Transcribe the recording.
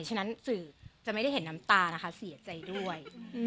ฉะนั้นสื่อจะไม่ได้เห็นน้ำตานะคะเสียใจด้วย